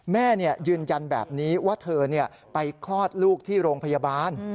แม่ยืนยันแบบนี้ว่าเธอไปคลอดลูกที่โรงพยาบาล